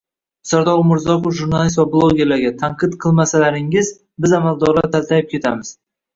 Sardor Umrzoqov jurnalist va blogerlarga: “Tanqid qilmasalaringiz, biz amaldorlar taltayib ketamiz”